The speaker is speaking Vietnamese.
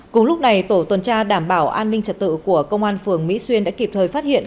cùng lúc này tổ tuần tra đảm bảo an ninh trật tự của công an phường mỹ xuyên đã kịp thời phát hiện